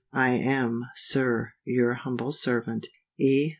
I am, SIR, your humble servant, E.